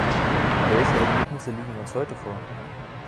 Welche Ergebnisse liegen uns heute vor?